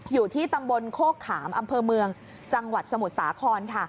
อยู่ที่ตำบลโคกขามอำเภอเมืองจังหวัดสมุทรสาครค่ะ